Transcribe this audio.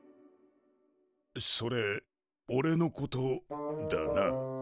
それおれのことだな？